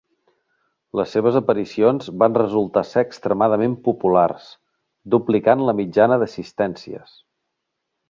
Les seves aparicions van resultar ser extremadament populars, duplicant la mitjana d'assistències.